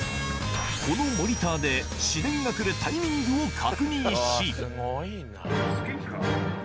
このモニターで市電が来るタイミングを確認し。